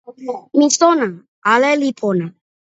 mi sona. ale li pona.